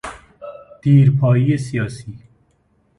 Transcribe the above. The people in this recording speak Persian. دیرپایی سیاسی